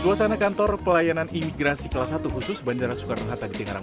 suasana kantor pelayanan imigrasi kelas satu khusus bandara soekarno hatta di tenggarang